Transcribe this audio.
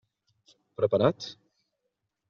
Preparats?